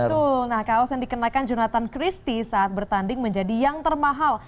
betul nah kaos yang dikenakan jonathan christie saat bertanding menjadi yang termahal